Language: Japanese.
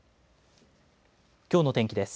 きょうの天気です。